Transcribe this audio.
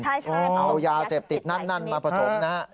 ใช่ใช่เอายาเสพติดนั่นนั่นมาผสมครับ